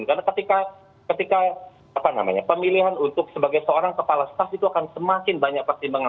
karena ketika pemilihan untuk sebagai seorang kepala pas itu akan semakin banyak pertimbangan